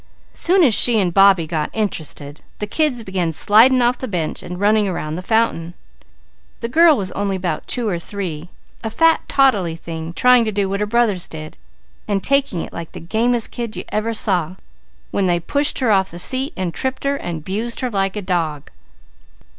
Soon as she and Bobbie got interested, the kids began sliding off the bench and running around the fountain. The girl was only 'bout two or three, a fat toddly thing, trying to do what her brothers did, and taking it like the gamest kid you ever saw when they pushed her off the seat, and tripped her, and 'bused her like a dog.